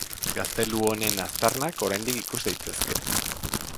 Gaztelu honen aztarnak oraindik ikus daitezke.